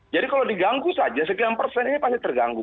jadi kalau diganggu saja sekian persen ini pasti terganggu